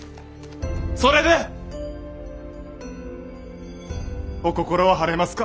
それでお心は晴れますか？